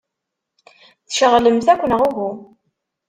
Tceɣlemt akk, neɣ uhu?